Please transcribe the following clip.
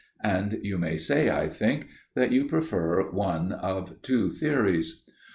And you may say, I think, that you prefer one of two theories.